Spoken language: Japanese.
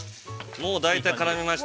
◆もう大体、絡みました。